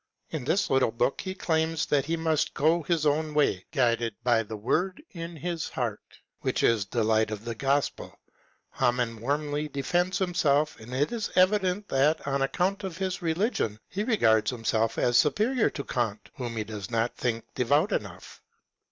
In this little book he claims that he must go his own way, guided by "the word in his heart," which is the light of the Gospel. Hamann warmly defends himself, and it is evident that, on account of his religion, he regards himself as superior to Kant, whom he does not think devout enough.